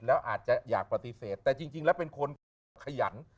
แล้วอาจจะอยากปฏิเสธแต่จริงแล้วเป็นคนขยับขยัน